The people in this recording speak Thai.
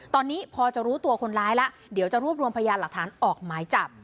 ตอนนี้พอจะรู้ตัวคนร้ายแล้วเดี๋ยวจะรวบรวมพยานหลักฐานออกหมายจับ